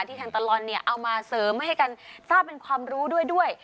ทางตลอดเนี่ยเอามาเสริมให้กันทราบเป็นความรู้ด้วย